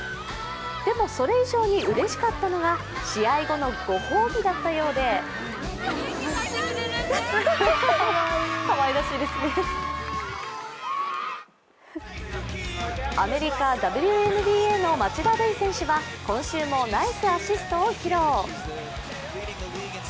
でも、それ以上にうれしかったのが試合後のご褒美だったようでアメリカＷＮＢＡの町田瑠唯選手は今週もナイスアシストを披露。